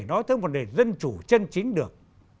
nói tới vấn đề dân chủ chân chính được